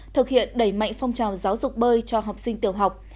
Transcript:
thực hiện đẩy mạnh phong trào giáo dục bơi cho học sinh tiểu học